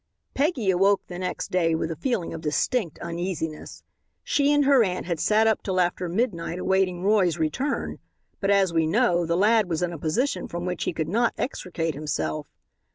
Peggy awoke the next day with a feeling of distinct uneasiness. She and her aunt had sat up till after midnight awaiting Roy's return, but, as we know, the lad was in a position from which he could not extricate himself.